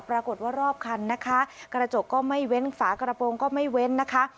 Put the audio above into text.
รอบคันนะคะกระจกก็ไม่เว้นฝากระโปรงก็ไม่เว้นนะคะ